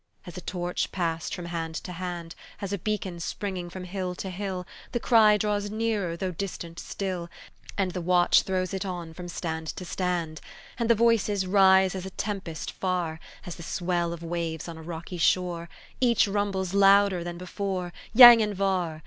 As a torch passed from hand to hand, As a beacon springing from hill to hill, The cry draws nearer though distant still, And the watch throws it on from stand to stand, And the voices rise as a tempest far, As the swell of waves on a rocky shore, Each rumbles louder than before, "Yanghin var!